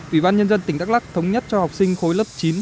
ủy ban nhân dân tỉnh đắk lắc thống nhất cho học sinh khối lớp chín